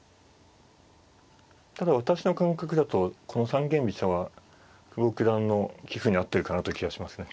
ただ私の感覚だとこの三間飛車は久保九段の棋風に合ってるかなという気がしますね。